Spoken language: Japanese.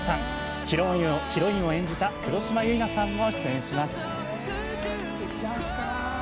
ヒロインを演じた黒島結菜さんも出演します！